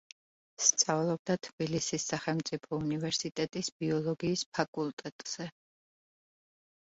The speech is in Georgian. სწავლობდა თბილისის სახელმწიფო უნივერსიტეტის ბიოლოგიის ფაკულტეტზე.